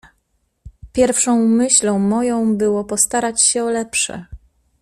"Pierwszą myślą moją było postarać się o lepsze."